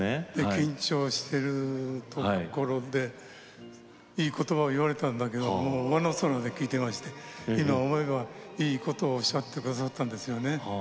緊張しているころでいい言葉を言われたんだけれどもうわのそらで聞いていまして今思えばいいことをおっしゃってくださったんですよね。